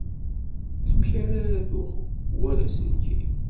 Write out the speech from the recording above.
Amek ara aruɣ war aselkim?